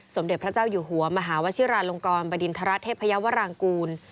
สมเด็จพระเจ้าอยู่หัวมหาวชิราลงกรบดินทรเทพยาวรางกูล